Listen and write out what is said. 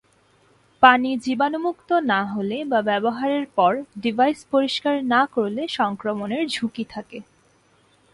পানি জীবাণুমুক্ত না হলে বা ব্যবহারের পর ডিভাইস পরিষ্কার না করলে সংক্রমণের ঝুঁকি থাকে।